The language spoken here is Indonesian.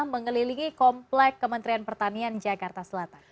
mengelilingi komplek kementerian pertanian jakarta selatan